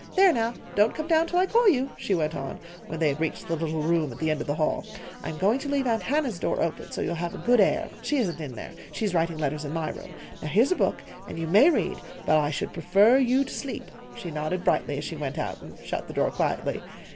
"There, now, don't come down till I call you," she went on, when they had reached the little room at the end of the hall. "I'm going to leave Aunt Hannah's door open, so you'll have good air she isn't in there. She's writing letters in my room, Now here's a book, and you may read, but I should prefer you to sleep," she nodded brightly as she went out and shut the door quietly.